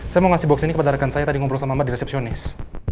saya mau kasih box ini kepada rekan saya tadi ngobrol sama mbak di resepsionis